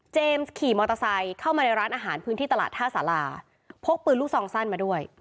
ขี่มอเตอร์ไซค์เข้ามาในร้านอาหารพื้นที่ตลาดท่าสาราพกปืนลูกซองสั้นมาด้วย